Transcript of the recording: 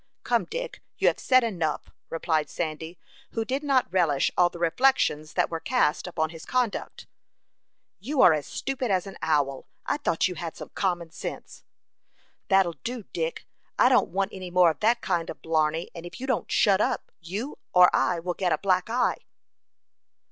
"Come, Dick, you have said enough," replied Sandy, who did not relish all the reflections that were cast upon his conduct. "You are as stupid as an owl; I thought you had some common sense." "That'll do, Dick; I don't want any more of that kind of blarney; and if you don't shut up, you or I will get a black eye."